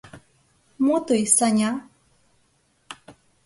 — Мо тый, Саня?